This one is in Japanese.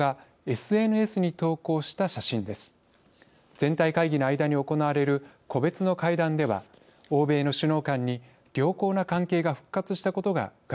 全体会議の間に行われる個別の会談では欧米の首脳間に良好な関係が復活したことがうかがえます。